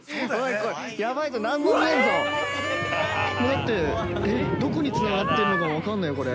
◆だって、どこにつながってるのかも分かんないよ、これ。